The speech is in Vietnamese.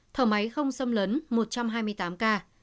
thở máy không xâm lấn một trăm hai mươi tám ca